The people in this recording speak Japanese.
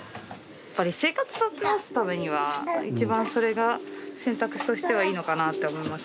やっぱり生活立て直すためには一番それが選択肢としてはいいのかなって思いますけど。